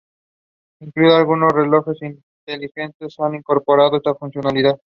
Incluso algunos relojes inteligentes han incorporado esta funcionalidad.